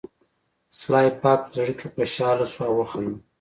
سلای فاکس په زړه کې خوشحاله شو او وخندل